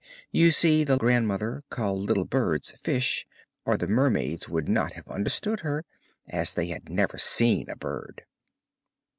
You see the grandmother called little birds fish, or the mermaids would not have understood her, as they had never seen a bird.